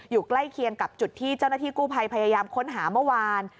ใกล้เคียงกับจุดที่เจ้าหน้าที่กู้ภัยพยายามค้นหาเมื่อวาน